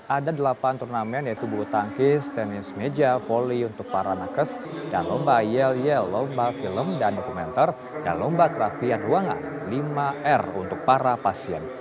ada delapan turnamen yaitu bulu tangkis tenis meja volley untuk para nakes dan lomba yel yel lomba film dan dokumenter dan lomba kerapian ruangan lima r untuk para pasien